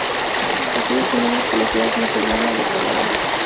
Recibe su nombre por la ciudad nigeriana de Calabar.